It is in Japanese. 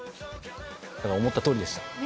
だからを思ったとおりでした。